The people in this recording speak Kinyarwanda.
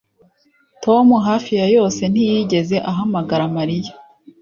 Tom hafi ya yose ntiyigeze ahamagara Mariya